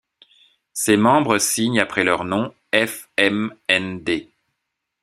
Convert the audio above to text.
Ses membres signent après leur nom fmnd.